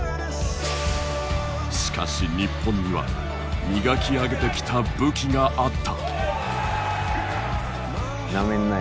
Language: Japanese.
しかし日本には磨き上げてきた武器があった。